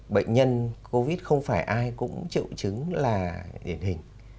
bệnh nhân covid không phải ai cũng triệu chứng là điển hình